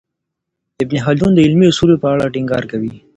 ابن خلدون د علمي اصولو په اړه ټینګار کوي.